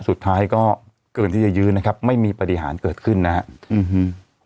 สุดท้ายก็เกินที่จะยืนนะครับไม่มีปฏิหารเกิดขึ้นนะฮะอืม